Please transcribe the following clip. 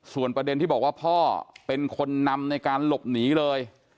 ส่วนประเด็นที่บอกว่าพ่อเป็นคนนำในการหลบหนีเลย